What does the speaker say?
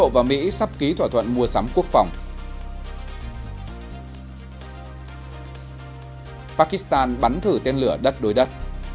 pakistan bắn thử tên lửa đất đối đất